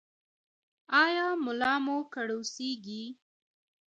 ایا ملا مو کړوسیږي؟